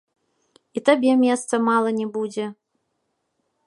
І табе месца мала не будзе.